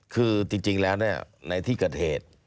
คือจริงแล้วในที่เกิดเหตุ